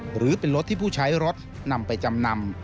หรือเป็นรถที่ผู้ใช้รถนำไปจำนำ